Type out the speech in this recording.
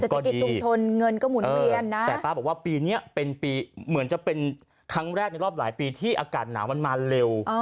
ก็ว่าปีเนี้ยเป็นปีเหมือนจะเป็นครั้งแรกในรอบหลายปีที่อากาศหนาวมันมาเร็ว